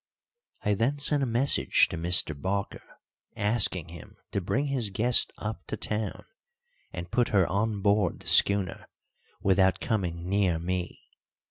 I then sent a message to Mr. Barker, asking him to bring his guest up to town and put her on board the schooner without coming near me.